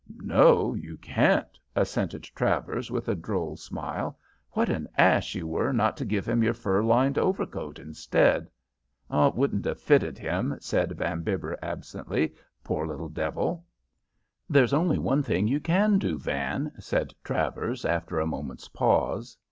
"'No, you can't,' assented Travers with a droll smile. 'What an ass you were not to give him your fur lined overcoat instead.' "'It wouldn't have fitted him,' said Van Bibber, absently. 'Poor little devil.' "'There's only one thing you can do, Van,' said Travers after a moment's pause.